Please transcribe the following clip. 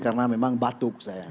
karena memang batuk saya